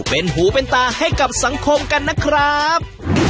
เป็นหูเป็นตาให้กับสังคมกันนะครับ